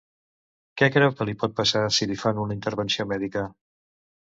Què creu que li pot passar si li fan una intervenció mèdica?